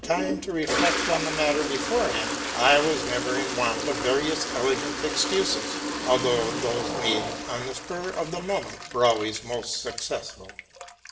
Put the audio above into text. OT time to reflect on the matter beforehand, I was never in want of various elegant excuses ; although those made on the spur of the moment were always most successful.